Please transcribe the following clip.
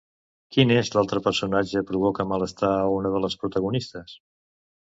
Quin és l'altre personatge provoca malestar a una de les protagonistes?